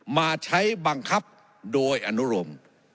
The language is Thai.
มาใช้บังคับโดยอนุรม